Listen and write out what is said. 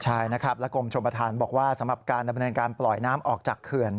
ใช่นะครับและกรมชมประธานบอกว่าสำหรับการดำเนินการปล่อยน้ำออกจากเขื่อน